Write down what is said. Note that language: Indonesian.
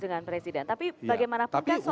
dengan presiden tapi bagaimanapun kan